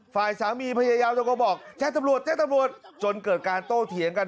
ฝ่ายสามีพยายามตะโกนบอกแจ้งตำรวจแจ้งตำรวจจนเกิดการโต้เถียงกัน